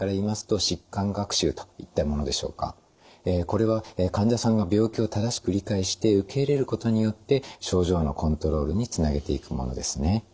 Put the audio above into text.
これは患者さんが病気を正しく理解して受け入れることによって症状のコントロールにつなげていくものですね。